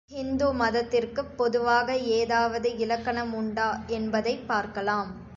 ஹிந்து மதத்திற்குப் பொதுவாக ஏதாவது இலக்கணம் உண்டா என்பதைப் பார்க்கலாம்.